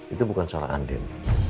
itu bukan salah andin